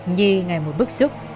nhi ngày một bức xúc